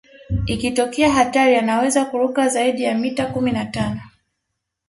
Ikitokea hatari anaweza kuruka zaidi ya mita kumi na tano